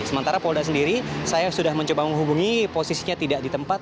sementara polda sendiri saya sudah mencoba menghubungi posisinya tidak di tempat